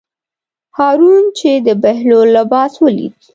هارون چې د بهلول لباس ولید.